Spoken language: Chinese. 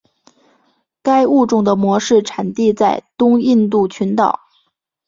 该物种的模式产地在东印度群岛。